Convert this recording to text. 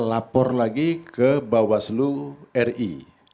lapor lagi ke bawah seluruh ri